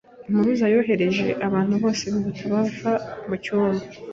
Impuruza yohereje abantu bose bihuta bava mucyumba.